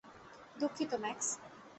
দুঃখিত, ম্যাক্স।